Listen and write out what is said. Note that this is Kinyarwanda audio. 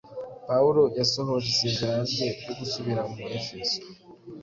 Pawulo yasohoje isezerano rye ryo gusubira mu Efeso.